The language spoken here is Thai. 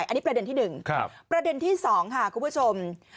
อันนี้ประเด็นที่๑ประเด็นที่๒ค่ะคุณผู้ชม